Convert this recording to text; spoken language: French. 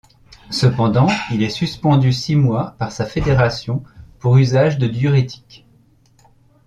Cependant, il est suspendu six mois par sa fédération pour usage de diurétique.